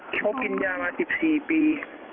เขากินยามา๑๔ปี